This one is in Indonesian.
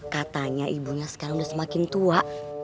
katanya ibunya sekarang udah semakin tua